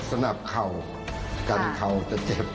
สนับเข่ากันเข่าจะเจ็บ